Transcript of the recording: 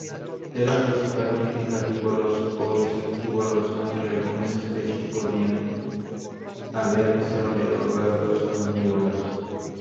Eran principalmente carnívoros o insectívoros, aunque algunas especies podrían haber desarrollado rasgos omnívoros.